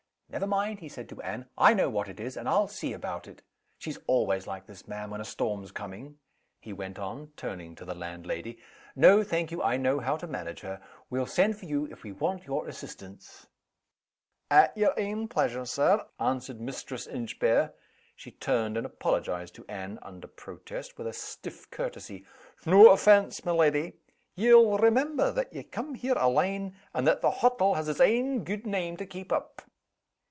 "Never mind," he said to Anne; "I know what it is, and I'll see about it. She's always like this, ma'am, when a storm's coming," he went on, turning to the landlady. "No, thank you I know how to manage her. Well send to you, if we want your assistance." "At yer ain pleasure, Sir," answered Mistress Inchbare. She turned, and apologized to Anne (under protest), with a stiff courtesy. "No offense, my leddy! Ye'll remember that ye cam' here alane, and that the hottle has its ain gude name to keep up."